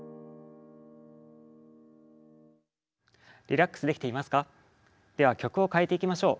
リラックスできていますか？